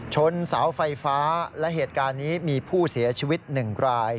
ชนสาวไฟฟ้าและเหตุการณ์นี้มีผู้เสียชวิตหนึ่งกลาย